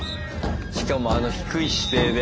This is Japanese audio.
しかもあの低い姿勢で。